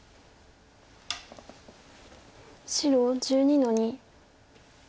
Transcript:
白１２の二。